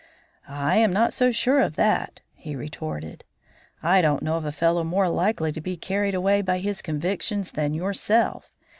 "I am not so sure of that," he retorted. "I don't know of a fellow more likely to be carried away by his convictions than yourself.